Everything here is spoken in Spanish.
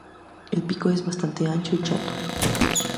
El pico es bastante ancho y chato.